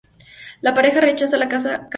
La pareja rechaza la casa cada vez.